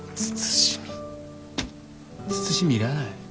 慎み慎みいらない。